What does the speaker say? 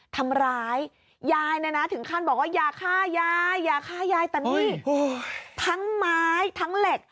ทำร้ายยายเนี่ยนะถึงขั้นบอกว่าอย่าฆ่ายายอย่าฆ่ายายแต่นี่ทั้งไม้ทั้งเหล็ก